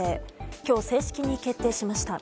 今日、正式に決定しました。